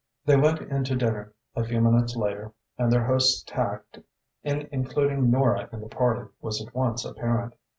They went into dinner, a few minutes later, and their host's tact in including Nora in the party was at once apparent.